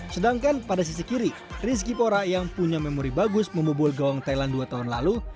sedangkan pada sisi kiri rizky pora yang punya memori bagus memobol gawang thailand dua tahun lalu